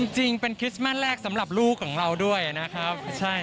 จริงเป็นคริสต์มัสแรกสำหรับลูกของเราด้วยนะครับ